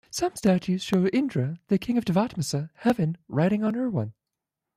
Some statues show Indra, the king of Tavatimsa Heaven, riding on Erawan.